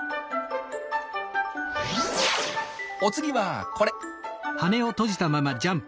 お次はこれ！